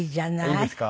いいですか？